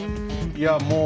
いやもう。